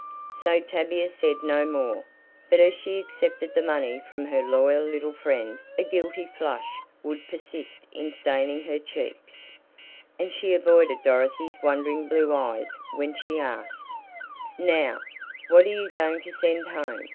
So Tavia said no more, but as she accepted the money from her loyal little friend a guilty flush would persist in staining her cheeks, and she avoided Dorothy's wondering blue eyes when she asked: "Now, what are you going to send home?